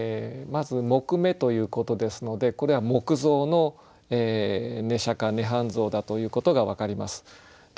まず「木目」ということですのでこれは木造の寝釈涅槃像だということが分かります。